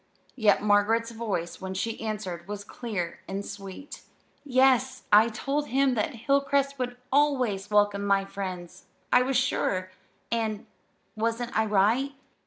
Yet Margaret's voice when she answered, was clear and sweet. "Yes. I told him that Hilcrest would always welcome my friends, I was sure. And wasn't I right?"